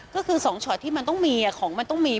ก็คือ๒ช็อตที่มันต้องมีของมันต้องมี